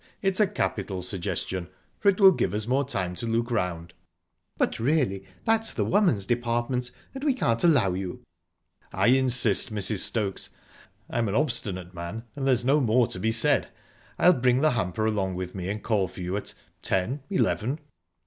It's a capital suggestion, for it will give us more time to look round." "But really, that's the woman's department, and we can't allow you." "I insist, Mrs. Stokes. I'm an obstinate man, and there's no more to be said. I'll bring the hamper along with me, and call for you at ...ten eleven...?"